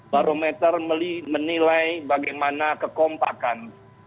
barometer menilai bagaimana kekompakan